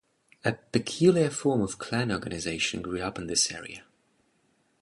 A peculiar form of clan organisation grew up in this area.